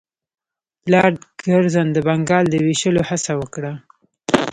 لارډ کرزن د بنګال د ویشلو هڅه وکړه.